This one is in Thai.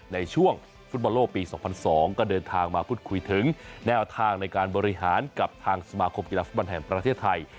ในช่วงฟุตบอลโลกปี๒๐๐๒ก็เดินทางมาพูดคุยถึงแนวทางในการบริหารกับทางสมาคมกีฬาฟุตบอลแห่งประเทศไทย